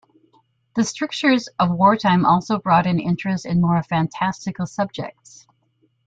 The strictures of wartime also brought an interest in more fantastical subjects.